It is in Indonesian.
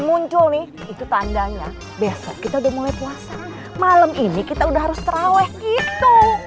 muncul nih itu tandanya besok kita udah mulai puasa malam ini kita udah harus terawih gitu